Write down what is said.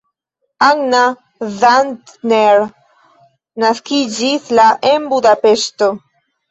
Anna Szandtner naskiĝis la en Budapeŝto.